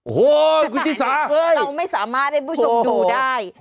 โอ้โหคุณชิสาเราไม่สามารถให้ผู้ชมดูได้